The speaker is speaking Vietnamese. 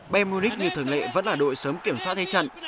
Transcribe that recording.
bermudik như thường lệ vẫn là đội sớm kiểm soát thế trận